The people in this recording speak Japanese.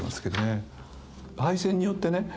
敗戦によってね